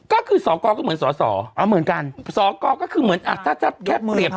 ก็คือสกก็เหมือนสอสออ๋อเหมือนกันสกก็คือเหมือนอ่ะถ้าแค่เปรียบ